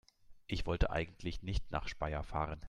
Ich wollte eigentlich nicht nach Speyer fahren